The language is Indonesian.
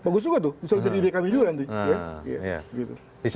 bagus juga tuh misalnya jadi dkb juga nanti